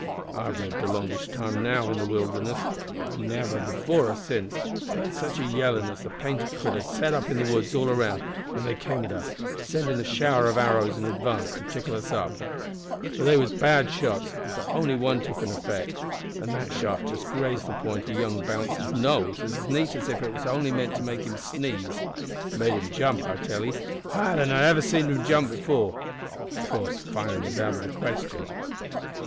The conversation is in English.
I've lived a longish time now in the wilderness, but I never, before or since, heard sitch a yellin' as the painted critters set up in the woods all around when they came at us, sendin' a shower o' arrows in advance to tickle us up; but they was bad shots, for only one took effect, an' that shaft just grazed the point o' young Bounce's nose as neat as if it was only meant to make him sneeze. It made him jump, I tell 'ee, higher than I ever seed him jump before. Of course fightin' was out o' the question.